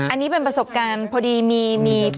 อันนี้เป็นประสบการณ์พอดีมี